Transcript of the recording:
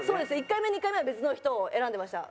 １回目２回目は別の人を選んでました。